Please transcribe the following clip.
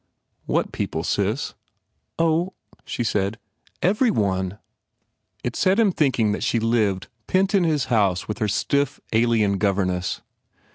"What people, sis?" "Oh," she said, "every one !" It set him thinking that she Jived pent in his house with her stiff, alien governess.